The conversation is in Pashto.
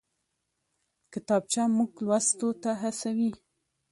کتابچه موږ لوستو ته هڅوي